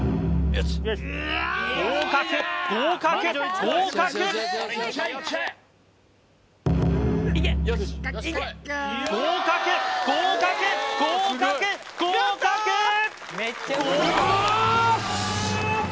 合格合格合格合格合格合格合格よーし！